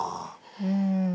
うん。